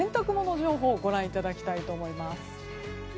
情報をご覧いただきたいと思います。